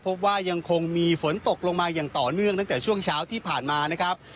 พบว่ายังคงมีฝนตกลงมาอย่างต่อเนื่องตั้งแต่ช่วงเช้าที่ผ่านมานะครับ